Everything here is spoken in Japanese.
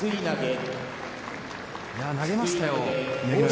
投げましたよ。